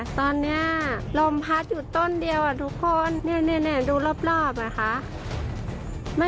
ตอนนี้ลมพัดอยู่ต้นเดียวทุกคนดูรอบนะคะ